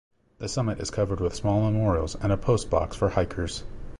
The summit is covered with small memorials and a postbox for hikers.